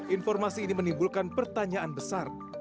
informasi ini menimbulkan pertanyaan besar